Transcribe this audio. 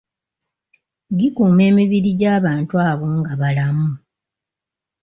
Gikuuma emibiri gy’abantu abo nga balamu.